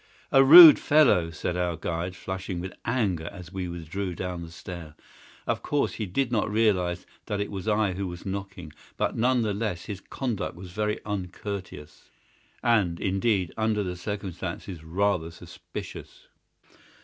"A rude fellow," said our guide, flushing with anger as we withdrew down the stair. "Of course, he did not realize that it was I who was knocking, but none the less his conduct was very uncourteous, and, indeed, under the circumstances rather suspicious."